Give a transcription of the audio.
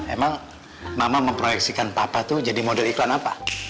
emang mama memproyeksikan papa tuh jadi model iklan apa